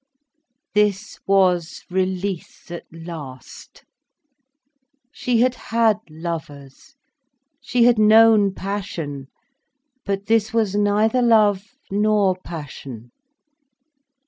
This was release at last. She had had lovers, she had known passion. But this was neither love nor passion.